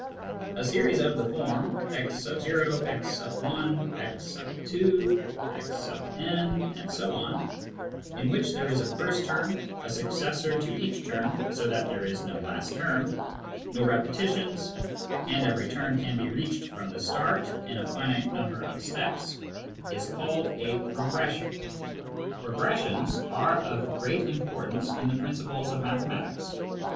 A series of the form in which there is a first term, a successor to each term (so that >there is no last term), no repetitions, and every term can be reached from the start in a finite number of steps, is called a progression. Progressions are of great importance in the princi ples of mathematics.